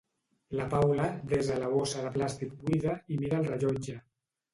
La Paula desa la bossa de plàstic buida i mira el rellotge.